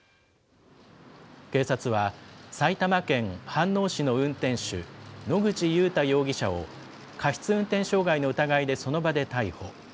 警察は、埼玉県飯能市の運転手、野口祐太容疑者を過失運転傷害の疑いでその場で逮捕。